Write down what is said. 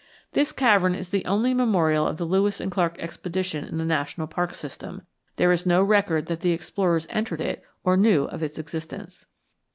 This cavern is the only memorial of the Lewis and Clark expedition in the national parks system; there is no record that the explorers entered it or knew of its existence.